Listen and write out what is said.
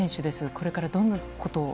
これからどんなことを？